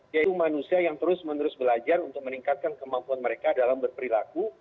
yaitu manusia yang terus menerus belajar untuk meningkatkan kemampuan mereka dalam berperilaku